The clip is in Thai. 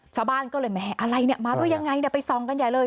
ชาวบ้านก็เลยแหมอะไรเนี่ยมาด้วยยังไงไปส่องกันใหญ่เลย